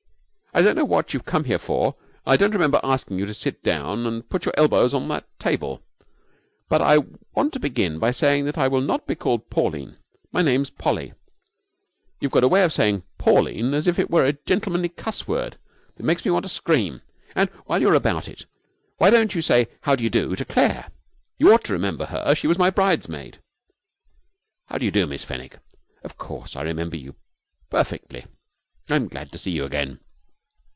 'I don't know what you've come here for, and I don't remember asking you to sit down and put your elbows on that table, but I want to begin by saying that I will not be called Pauline. My name's Polly. You've got a way of saying Pauline, as if it were a gentlemanly cuss word, that makes me want to scream. And while you're about it, why don't you say how d'you do to Claire? You ought to remember her, she was my bridesmaid.' 'How do you do, Miss Fenwick. Of course, I remember you perfectly. I'm glad to see you again.'